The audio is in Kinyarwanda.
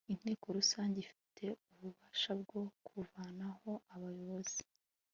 inteko rusange ifite ububasha bwo kuvanaho abayobozi